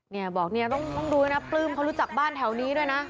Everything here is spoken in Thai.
เนี่ยบอกเนี่ยต้องดูด้วยนะปลื้มเขารู้จักบ้านแถวนี้ด้วยนะ